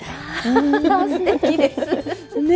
すてきです。ね。